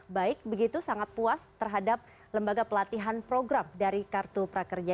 baik begitu sangat puas terhadap lembaga pelatihan program dari kartu prakerja